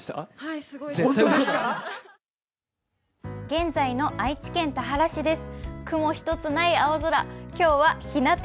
現在の愛知県田原市です。